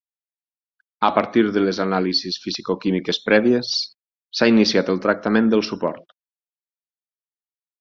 A partir de les anàlisis fisicoquímiques prèvies, s'ha iniciat el tractament del suport.